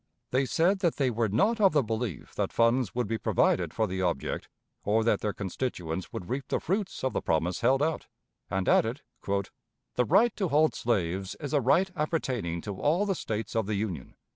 They said that they were not of the belief that funds would be provided for the object, or that their constituents would reap the fruits of the promise held out, and added: "The right to hold slaves is a right appertaining to all the States of the Union.